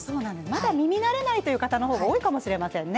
まだ耳慣れない方の方が多いかもしれませんね。